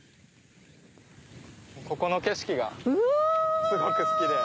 ここの景色がすごく好きで。